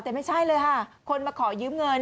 แต่ไม่ใช่เลยค่ะคนมาขอยืมเงิน